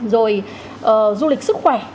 rồi du lịch sức khỏe